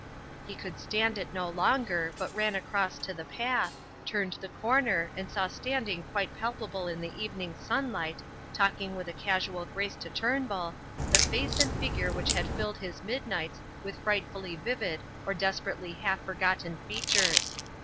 He could stand it no longer, but ran across to the path, turned the corner and saw standing quite palpable in the evening sunlight, talking with a casual grace to Turnbull, the face and figure which had filled his midnights with frightfully vivid or desperately half forgotten features.